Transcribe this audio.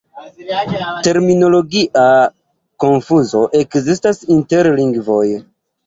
Terminologia konfuzo ekzistas inter lingvoj.